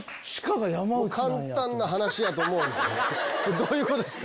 どういうことですか？